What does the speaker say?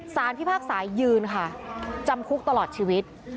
ศาลพศยืนค่ะจำคลุกตลอดชีวิต